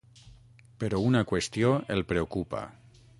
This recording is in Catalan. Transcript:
Però una qüestió el preocupa.